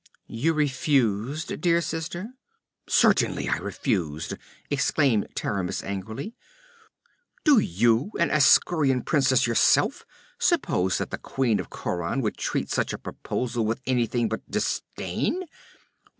'You refused, dear sister?' 'Certainly I refused!' exclaimed Taramis angrily. 'Do you, an Askhaurian princess yourself, suppose that the Queen of Khauran could treat such a proposal with anything but disdain?